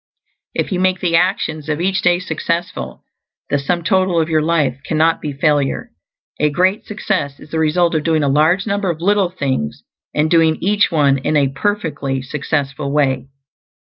If you make the actions of each day successful, the sum total of your life cannot be failure. A great success is the result of doing a large number of little things, and doing each one in a perfectly successful way.